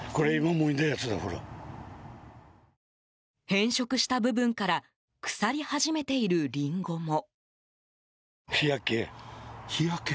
変色した部分から腐り始めているリンゴも。